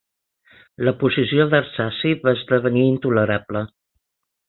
La posició d'Arsaci va esdevenir intolerable.